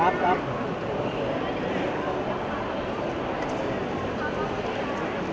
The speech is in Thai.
ไม่รีบบอกอายุขนาดนี้ไม่รีบแล้ว